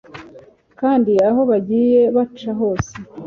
kandi aho bagiye baca hose